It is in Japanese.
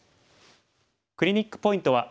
クリニックポイントは。